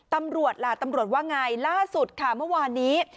ตำรวจล่ะตำรวจว่าไงล่าสุดค่ะเมื่อวานนี้